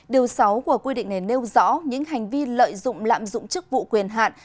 điều sáu của quy định này nêu rõ những hành vi lợi dụng lạm dụng chức vụ quyền hạn